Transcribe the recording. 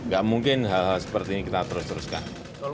gak mungkin hal hal seperti ini kita terus teruskan